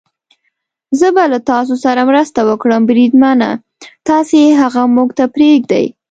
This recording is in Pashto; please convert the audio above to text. زه به له تاسو سره مرسته وکړم، بریدمنه، تاسې هغه موږ ته پرېږدئ.